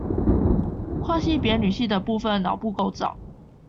跨性別女性的部分腦部構造